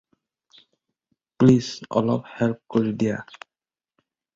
Please, অলপ help কৰি দিয়া।